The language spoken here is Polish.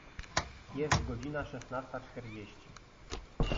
Jest godzina szesnasta czterdzieści.